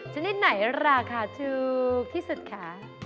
ชนิดไหนราคาถูกที่สุดคะ